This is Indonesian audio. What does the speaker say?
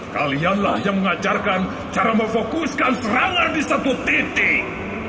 kalianlah yang mengajarkan cara memfokuskan serangan di satu titik